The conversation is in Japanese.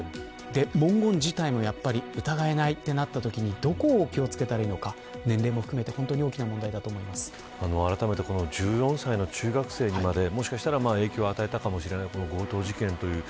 文言自体もやっぱり疑えないとなったときにどこに気を付けたらいいのか年齢も含めてあらためて１４歳の中学生にまで影響を与えたかもしれない強盗事件